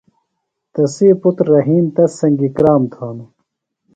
تسی پُتر رحیم تس سنگیۡ کرام تھانوۡ۔